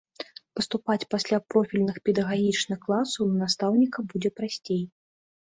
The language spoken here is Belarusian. Паступаць пасля профільных педагагічных класаў на настаўніка будзе прасцей.